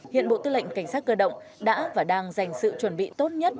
hiện bộ tư lệnh cảnh sát cơ động đã và đang dành sự chuẩn bị tốt nhất